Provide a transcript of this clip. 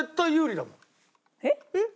えっ？